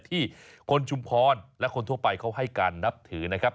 ที่คนชุมพรและคนทั่วไปเขาให้การนับถือนะครับ